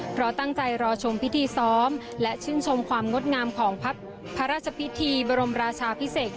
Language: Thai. เพราะตั้งใจรอชมพิธีซ้อมและชื่นชมความงดงามของพระราชพิธีบรมราชาพิเศษ